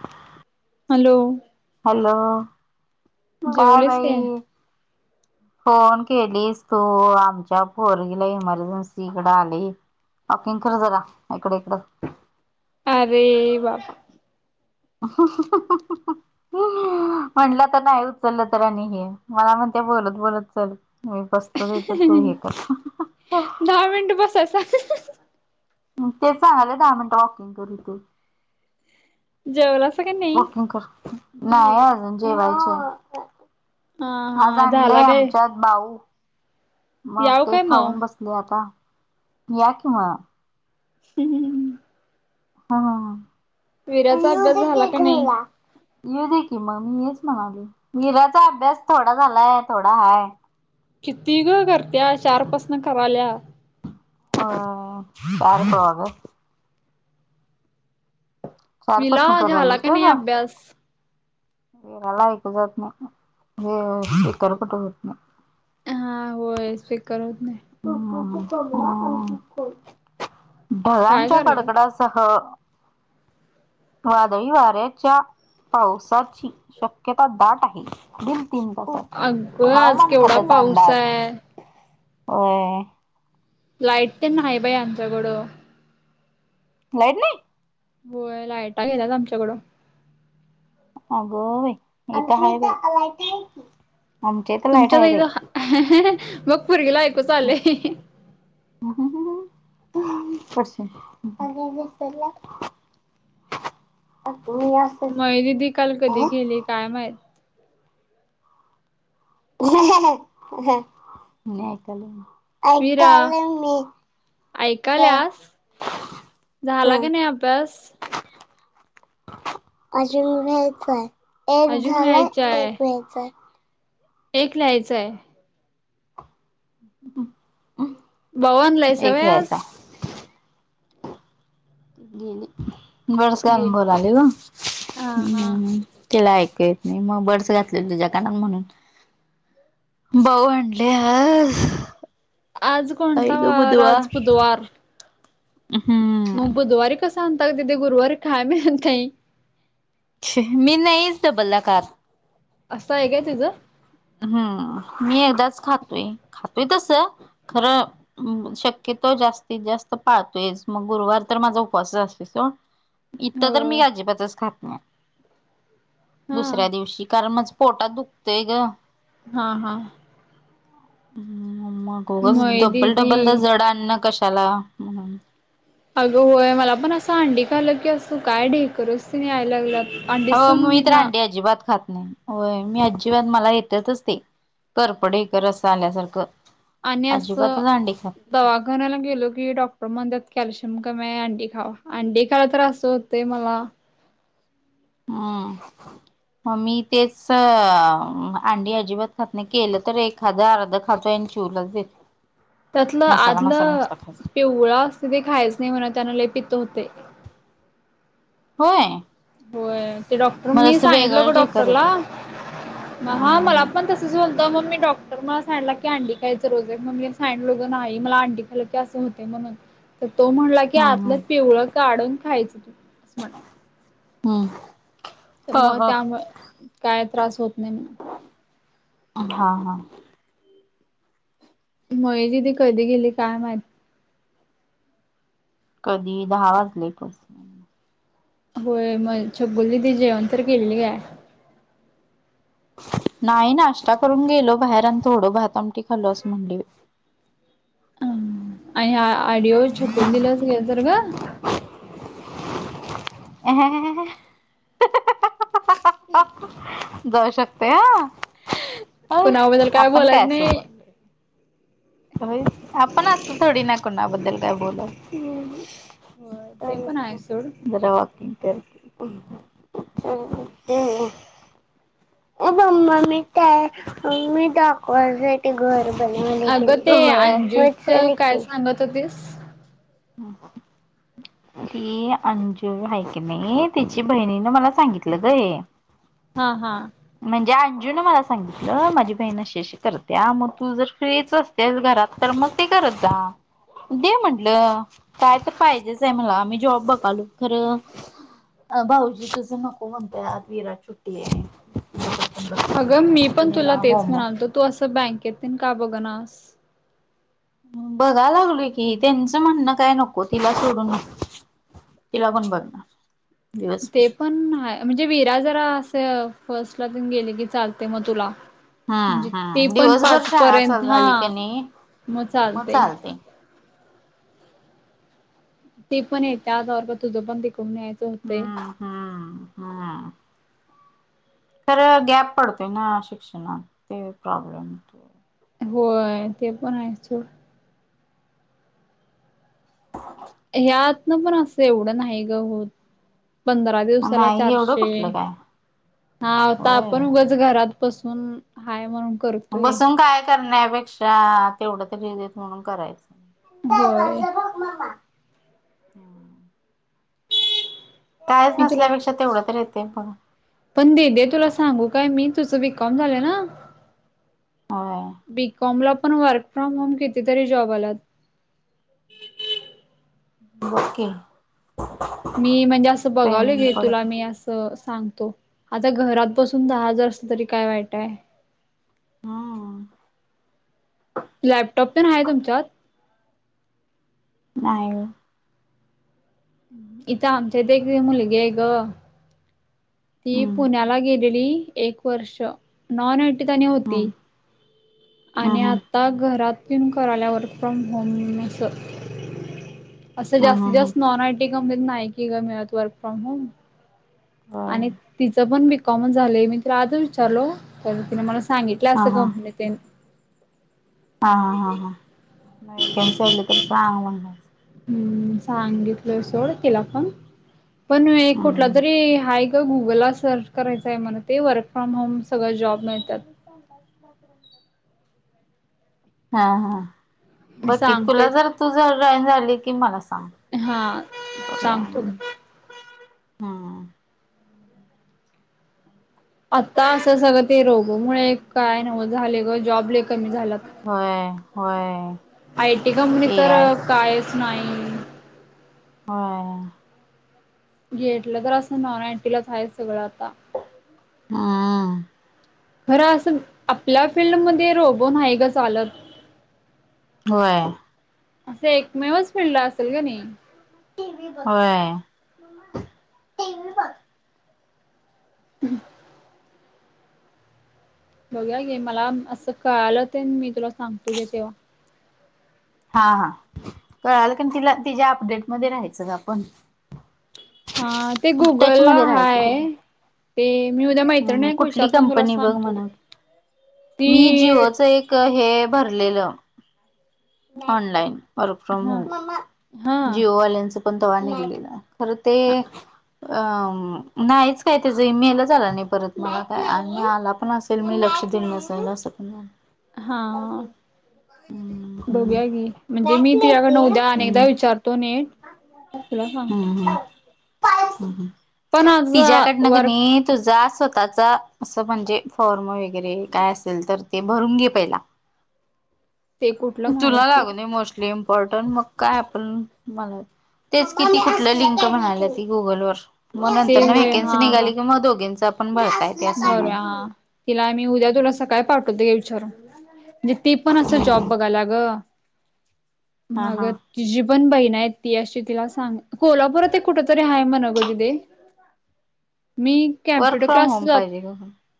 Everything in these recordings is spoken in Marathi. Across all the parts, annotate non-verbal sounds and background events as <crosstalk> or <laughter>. हा हॅलो हॅलो काय भाई ह फोन केलीस तू आमच्या पोरगीला इमर्जन्सीकडे आली वॉकिंग कर जरा इकडे इकडं अरे बाबा ह ह ह म्हणटलं तर नाही उचललं तर आणि हे मला म्हणते बोलत बोलत चल मी बस तदेत त हे क दहा मिनट बसायचा तेच सांगाले दहा मिनिटं वॉकिंग कर तू जेवलासा का नाही? वकिंग कर नाही अजून जेवायचे हा हाज हा झाला आणलंय काय आमच्या बाऊ मग याव ते काय मग? खाऊन बसले आता या की म हम्म हा हा वीराचा अभ्यास झाला का मुकदक नाही? येऊ दे की मग मी हेच म्हणाल मीरा चअभ्यास थोडा झालाय थोडा हाय कितीि ग करत्या चार पासन कराल्या अ चार सवाग चार मला पासन झाला करायलास का नाही अभ्यास वेराला ऐकू जात नाही स्ेिकर कुठ होत नाही हा होयस करत नाही हम हम काय ढगांच्या करायलाय? कडकडास सह वादळी वाऱ्याच्या पावसाची शक्यता दाट आहे दि तीन तास अगं आज हवामान केवढा खात्याचा पाऊस अंदाज आहे हो लाईट तेन हाय बाई आमच्याकडं. लाईट नाही. होय लायटा गेला आमच्याकडं. अगं बाई हित हाय बाई. आमच्या इथं लाईट तुमच्यात आहे बाई घरी बघ पोरगीला ऐकू चांलय. ह ह ह ह, प्रश्न वि''--'' आ तुमही आ. होय दीदी काल कधी गेली काय माहीत. ऐ ऐकता आले मी. काय ऐकालस झाला ह का नाही अभ्यास. अजून व्हायचंय. एक अजून झालाय व्हायचाय एक व्यायचंय. एक लिहायचंय. हम्. बाऊ आणलायसा होय आज. बड घे संग बोलालय हो. हा हा तला ऐक येत नाही मग बर्डस घातले तुझ्या कार म्हणून. बाऊ आणले आज. आज आई कोणता ग वार आज बुधवार बुधवार. हम्म. मग बुधवारी कसं आणता ग दीदी गुरुवारी खायला मिळत नाही. मी नाहीच डबल दाखवत. असं आहे काय तिझं. हम्म मी एकदाच खातोय खातोय तस खरं. हं शक्यतो जास्तीत जास्त पाळतोय मग गुरुवार तर माझा उपवास असते सोड. इथं तर होय मी अजिबातच खात नाही. हा दुसऱ्या दिवशी कारण मच पोटात दुखतंय ग. हा हा, मग उगाच मय डब्बल डब्बलदा दिदी जड अन्न कशाला. ''हं'' अगं होय मला पण असं अंडी खालं की असू काय डेकररेसनी यायला लागला. हो मी तर अंडी अजिबात खात नाही. होय मी अजिबात मला येततच ते करपडेकर असं आल्यासारखं. आणि अस. अजिबातच अंडी खात दवाखायला गेलो की डॉक्टर म्हणतात कॅल्शियम कामी हाय अंडी खावा अंडी खायला तर असो होतं. ते मला. हम्म. मग मी तेच अंडी अजिबात खात नाही केलं तर एक. एखादं अर्ध खातोय आणि चिवलाच देतो. त्यातलं आदलं खायचा पेव''--'' ळा असते ते खायच नाही म्हण त्यान लले पित होतेय. होय. होय ते डॉक्टर मला मी असं सांगितलं ग वेगळंच हे डॉक्टरला करत हम्म हा मला हम्म पण तस. तसं होते म्हणून मग मी डॉक्टर मला सांडला की अंडी खायचं रोज एक आहे मग मी सांडलो नाही मला अंडी खालं की असं होते. म्हणून तर तो म्हणला की हम्म हम्म आतलं पिवळं काढून खायचं तु अस म्हण. हम्म. तर मग हा त्यामुळे काय त्रास होत नाही म्हणा. हा हा. मय जी ती कधी गेली काय माहिती. कधी दहा वाजले प. होय मग चगुली ती जेवण तर केली आहे. नाही नाश्ता करून गेलो बाहेर आणि थोडं भात आमट खालो असं म्हणली. आणि आडिओ छकून दिलंच गे तर ग. अ हा. जाऊ शकते ह. अ कुणाबद्दल आपण बोलायच काय असो नाही बोल आपण अस थोडी ना कोणाबद्दल काय बोोल होय ते पण आहे सोड जरा वॉकिंग करक <unintelligible> अ मम्मा मी काय म मी दाखवायच ते घर बनवा न क अगं मजछा न की च्स ह ह ती अंजू हयकणे तिची बहिणीनं मला सांगितलं गय हा हा. म्हणजे अंजु न मला सांगितलं माझी बहीणशीशी करते्या मग तू जर फ्रीच अस. तेच घरात तर मग ते करत जा दे म्हंटलं काय तर पाहिजेच आहे मला आम मीही जॉब बघालो खरं अ भाऊजी तुझं नको म्हणताय आज विरट ुट्टी आहे अगं मी पण तुला तेच होमवर्क म्हणालतो तू असं बँक येेते का बघ नास बघा लागलो की त्यांचं म्हणणं काय नको तिला सोडून ति लागून बघ ना ते पण म्हणजे वीरा जरा असे फर्स्टला गेले की चालते मग तुला हम्म म्हणजे ते हम्म पण दिवसभर पाच शाळा पर्यंत चालू हा झाली की नाही मग चालते ते पण आहे त्या आवर तुझं पण तिकून न्यायचं होत हम्म हम्म हम खर गॅप पडतोय ना शिक्षणात ते प्रॉब्लेम होय ते पण आहे सूड ह ह्यात ना पण असं एवढं नाही ग होत पंधरा दिवसाला नाही एवढं चारशे कुठलं काय हाता होय आपण घरात बसून हायणून कर बसून काय करण्यापेक्षा तेवढं तरीेत म्हणून करायचं होय हम् कायच मी तुला नसल्यापेक्षा तेवढं तर येते पण पण दे दे तुला सांगू काय मी तुझं विकम झालं ना हो बीकॉम ला पण वर्क फ्रॉम होम किती तरी जॉब आलात वकिंग. मी म्हणजे असं बघावलं पेमेंट घे पडत तुला मी अस. सांगतो आता घरात बसून दहा हजार असलं तरी काय वाईट आहे. हम. लॅपटॉप पण आहे तुमच्यात. नाही. इथं आमच्या इथ एक मुलगी आहे ग. ती हम्म पुण्याला गेलेली एक वर्ष नॉन एटी तनी होती. हम्म आणि हम्म हम्म आता घरातन कराल्या वर्क फ्रॉम होम असं. असं हम्म जास्तीत हम्म जास्त नॉन आयटी कंपनीत नाय की का मिळत वर्क फ्रॉम होम. होय आणि तिचं पण बिकॉम झालंय मी तिला आज विचारलो त्या तिने मला सांगितलं हा असं हा कंपनीत. तन. हा हा हां हां वेकन्सी आली तरी सांग म्हण. हम्म सांगितलं सोड तिला पण. पण कुठला हम्म तरी आहे ग गुगलला सर्च करायचं आहे म्हण ते वर्क फ्रॉम होम सगळं जॉब. मिळतात. हा हा. मी बकी तुला सांगतोय जर तुझ जॉईन झाली की मला सांग. हा सांगतो. हा आता असं सगळं ते रोग मु काय नव झाले ग जॉबले कमी झाला. होय होय. आय टी कंपनी ए तर आय कायच नाही. ह. घेटलं तर असं नॉन आयटीलाच आहे सगळं आता. हम. बरं असं आपल्या फिल्डमध्येध्ये रोबोन आहे ग चालत. होय. असं एकमेवच फिळला असेल का नाही. होय. <inaudible> हम् बघा गे मला असं कळालं ते मी तुला सांगतो गे तेव्हा. हा हा कळाल कण तिला तिच्या्या अपडेट मध्ये राहायचं ग आपण. हा ते टच गुगल ला मध्ये राहायचं तिला. हाय. ते मी उद्या हम्म मैत्रिणी का कुठली विचारतो तुला कंपनी बघ सांगतो म्हणा ती. मी जिओच एक हे भरलेलं ऑनलाईन. वर्क फ्रॉम हा होम हा जिओवाल्यांच पण तवाणी केलेलं खरं ते अ नाहीच काय त्याचं मेला झाला नाही. परत मला काय आला पण असेल मी लक्ष देन नसाल असं नाही. हा. हम्म बघ्या गी म्हणजे मी तिझ्याकडन उद्या अनेकदा हम्म. विचारतो न हम्म हम् कायच. पण आज तिजाकड न क वर्क नाही तुझा स्वत त्याचा असं म्हणजे फॉर्म वगैरे काय असेल तर ते भरून घे पहिला. ते कुठलं तुला म्हणाल्यास तू लागूनय मोस्टली इम्पॉर्टंट मग काय आपण मला तेच कि ती कुठलं लिंक म्हणायला ती गुगलवर मग ते नंतर न होय वेकन्सी निघाली की मग दोघींचा आपण वय काय. भरुया हा तिला आम्ही उद्या तुला सकाळी पाठवते घे विचारून. म्हणजे ती पण असं जॉब बघायला ग हा मग हा तिझी पण बहीण आहेत ती अशी तिला सांग कोल्हापुरात एक कुठ तरी आहे म्हण ग दीदे. मी वर्क कॅम्प्युटर फ्रॉम क्लास ला जातोय. <unintelligible>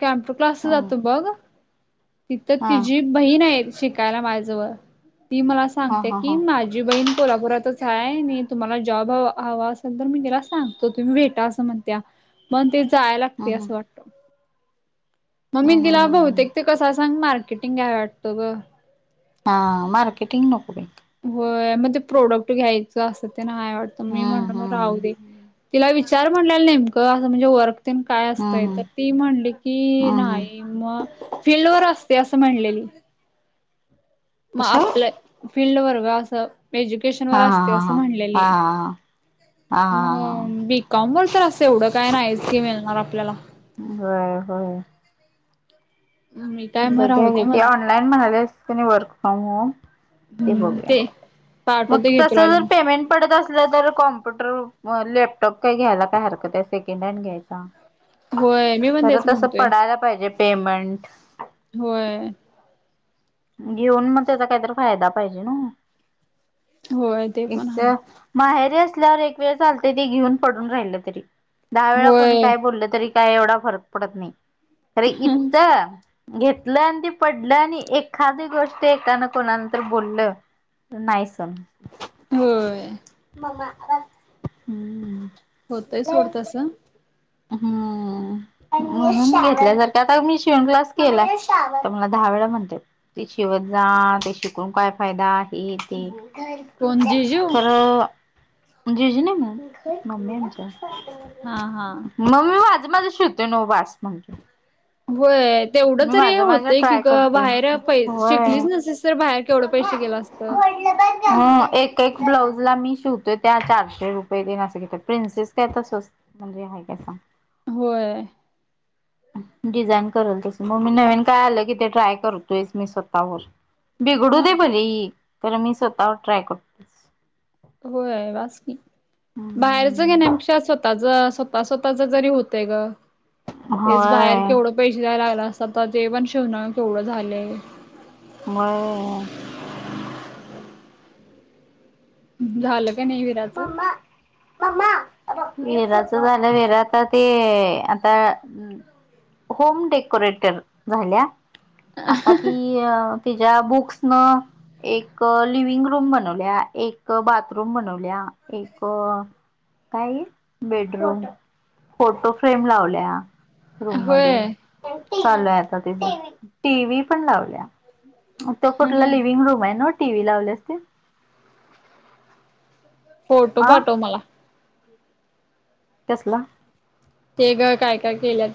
कॅम्प्युटर क्लास ला हं जातोय बघ तिथं हा तिझी बहीण हाय शिकायला माझ्या जवळ ती मला सांग हा त्या हा की हा माझ तुझी बहीण कोल्हापुरातच आहे आणि तुम्हाला जॉब हवा हवा असेल तर मी तिला सांगतो तुम्ही भेटा अस अस म्हणत्या म ते जाय लागतय हम्म असं वाटत. मग मी हम्म हम्म तिला हम्म हम्म हम्म बहुतेक ते कसाय सांग मार्केटिंग घ्याय वाटतं ग. हा मार्केटिंग नको बई. होय मग ते प्रोडक्ट घ्यायचं असं तेन हाय वाटतं मी हम्म म्हणल मग राहू दे. हम्म तिला विचार म्हणलेल नेमकं असं म्हणजे वर्क तेन काय असतंय हम्म तर ती म्हणली हम्म की हम्म हम्म नाही मग फिल्ड वर असतय असं म्हणलेली. मग कशावर आपल्या फिल्ड वर ग असं एज्युकेशन वर हा हा असतय असं हा म्हणलेली. हा हा हा हा मग हा बीकॉम वर तर असं एवढं काय नाहीच की मिळणार आपल्याला. वय होय. मी काय मग राहू बघ्याव दे घे ती म्हणलं. ऑनलाईन म्हणाल्याच तिन वर्क फ्रॉम होम - ते बघूया पाठवते मग घे तस तुला जर लिंक. पेमेंट. पडत असल तर कॉम्प्युटर लॅपटॉप काय घ्यायला काय हरकत आहे सेकंड हँड घ्यायचा. होय मी पण खरं तेच तसं म्हणतोय. पडायला पाहिजे पेमंट. होय. घेऊन मग त्याचा काहीतरी फायदा पाहिजे ना होय ते एक पण आहे. तर माहेरी असल्यावर एक वेळ चालते ती घेऊन पडून राहिलं तरी दहा वेळा कोणी होय काय बोललं तरी काय एवढा फरक पडत नाही खर इथ घेतलं आणि ते पडलं आणि एक एखादी गोष्ट एकाना कोणानं तर बोललं नाही सण होत. होय. <unintelligible> हम्. होतय सोड तसं. हम्म. म्हणून म घेतल्या सारख आता मी शिवण क्लास केला तर मला दहा वेळा म्हणत्यात. ते शेवत जा ते शिकून काय फायदा हे ते. कोण जिजू खर म जिज्जूना म्हण मम्मी आमची अस हा हा. मग मी माझं माझं शिवतय नव्ह बास म्हणल. होय तेवढं तरी माझं होतय की ट्राय ग करतोय बाहेर पै होय शिकलीच नसतीस तर बाहेर केवढं पैशे गेल असतं. ह एक एक ब्लाउज ला मी शिवतोय त्या चारशे रुपये देण्या असं घेत प्रिन्सेस त्या आता स्वस्त म्हणजे आहे काय सांग. होय. डिझाईन करेल तसं मग मी नवीन काय आलं कि ते ट्राय करू. मी स्वतःवर बिघडू दे हा. भले तर मी स्वतःवर ट्राय करतो. होय वासकी बाहेरच घेण्यापेक्षा स्वतःच स्व स्वत स्वतःच जरी होतय ग तेच होय बाहेर केवढं. पैसे द्याला लागला असतात तर जे पण शेवना केवढं झाले. मय हल का नाही. ब विराचं? बबा. विराच झालं विरता ते आता होम डेकोरेटर झाल्या आता ती तिच्या बुक्स न एक लिवंग रूम बनवल्या एक बाथरूम बनवल्या. आपल्या एक काय बेडरूम फोटो फ्रेम लावल्या. रूम मध्ये होय चालू आहे आता तेथ टी व् पण लावल्या. तो कुठला लिव्हंग रूम आहे ना टी व्ही लावले. फोटो आ पाठव मला कसला? ते ग काय काय केल्या.